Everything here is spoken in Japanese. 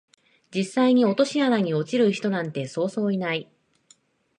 実際に落とし穴に落ちる人なんてそうそういない